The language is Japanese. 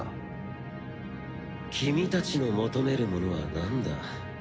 君たちの求めるものはなんだ？